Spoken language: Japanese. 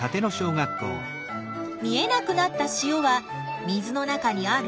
見えなくなった塩は水の中にある？